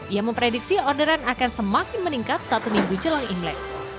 ia memprediksi orderan akan semakin meningkat satu minggu jelang imlek